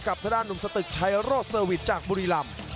กับทดานหนุ่มสตึกชัยโรสเซอร์วิทจากบุรีรัม